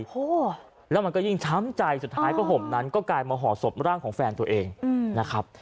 โอ้โหแล้วมันก็ยิ่งช้ำใจสุดท้ายผ้าห่มนั้นก็กลายมาห่อศพร่างของแฟนตัวเองนะครับ